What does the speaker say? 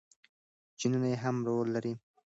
جینونه هم رول لري.